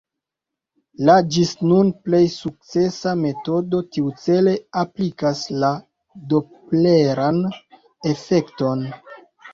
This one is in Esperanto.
La ĝis nun plej sukcesa metodo tiucele aplikas la dopleran efekton.